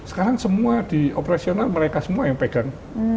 sekarang semua di operasional mereka semua yang pegang